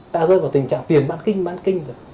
đã rơi vào tình trạng tiền bán kinh bán kinh rồi